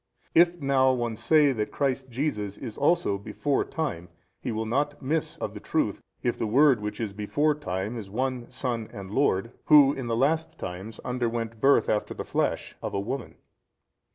If now one say that Christ Jesus is also before time, he will not miss of the truth, if the Word which is before time is One Son and Lord, Who in the last times underwent birth after the flesh of a woman.